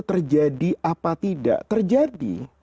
terjadi apa tidak terjadi